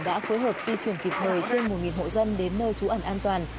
đã phối hợp di chuyển kịp thời trên một hộ dân đến nơi trú ẩn an toàn